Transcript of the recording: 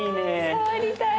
触りたい。